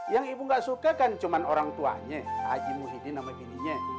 yang ibu gak suka kan cuma orang tuanya haji muhyiddin sama gilinya